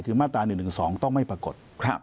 คือมาตรา๑๑๒ต้องไม่ปรากฏ